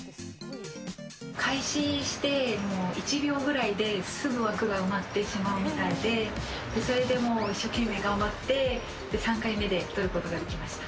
開始してもう１秒ぐらいですぐ枠が埋まってしまうみたいで、それでもう、一生懸命頑張って、３回目で取ることができました。